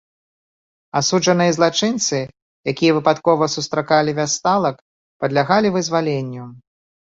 Асуджаныя злачынцы, якія выпадкова сустракалі вясталак, падлягалі вызваленню.